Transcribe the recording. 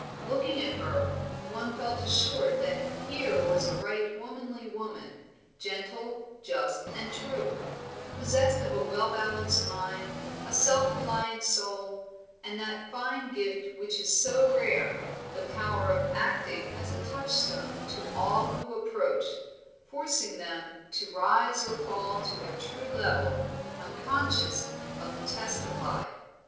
Looking at her, one felt assured that here was a right womanly woman, gentle, just, and true; possessed of a well balanced mind, a self reliant soul, and that fine gift which is so rare, the power of acting as a touchstone to all who approached, forcing them to rise or fall to their true level, unconscious of the test applied.